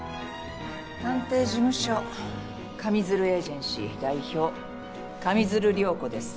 探偵事務所上水流エージェンシー代表上水流涼子です。